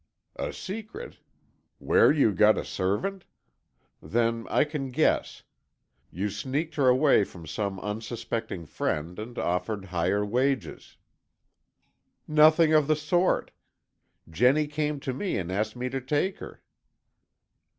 "A secret? Where you got a servant! Then, I can guess; you sneaked her away from some unsuspecting friend, and offered higher wages." "Nothing of the sort! Jennie came to me and asked me to take her."